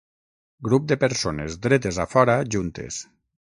Grup de persones dretes a fora juntes